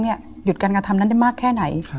หยุดการกระทำนั้นได้มากแค่ไหน